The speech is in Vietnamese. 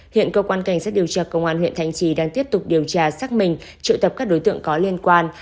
hiện cơ quan cảnh sát điều tra công an huyện thanh trì đang tiếp tục điều tra xác minh triệu tập các đối tượng có liên quan